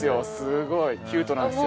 すごいキュートなんですよ